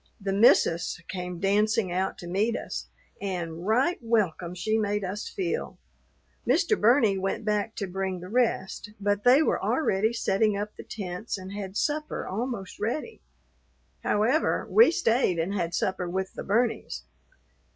"The missus" came dancing out to meet us, and right welcome she made us feel. Mr. Burney went back to bring the rest, but they were already setting up the tents and had supper almost ready. However, we stayed and had supper with the Burneys.